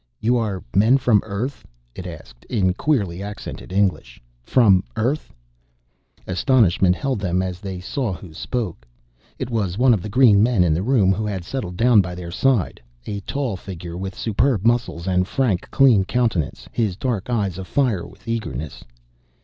"You are men from Earth?" it asked, in queerly accented English. "From Earth?" Astonishment held them as they saw who spoke. It was one of the green men in the room, who had settled down by their side. A tall figure with superb muscles and frank, clean countenance, his dark eyes afire with eagerness.